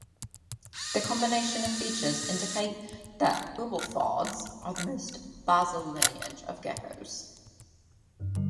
Their combination of features indicate that Eublepharids are the most basal lineage of gekkos.